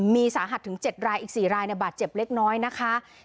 มีสาหัสถึง๗รายอีก๔รายบาดเจ็บเล็กน้อยนะคะ